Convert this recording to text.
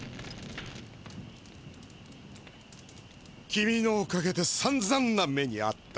君のおかげでさんざんな目にあった。